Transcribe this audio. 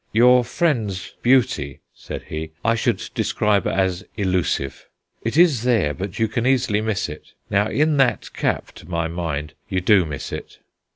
"Your friend's beauty," said he, "I should describe as elusive. It is there, but you can easily miss it. Now, in that cap, to my mind, you do miss it."